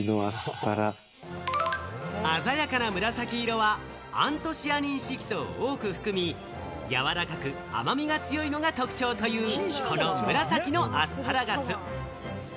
鮮やかな紫色はアントシアニン色素を多く含み、柔らかく、甘みが強いのが特徴という、この紫のアスパラガス。